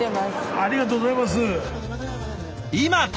ありがとうございます。